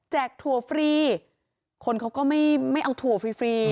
ถั่วฟรีคนเขาก็ไม่เอาถั่วฟรีฟรี